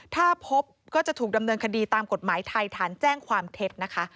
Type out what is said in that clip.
ถ้าพบก็จะถูกดำเนินคดีตามกฎหมายไทยฐานแจ้งความเท็จนะคะ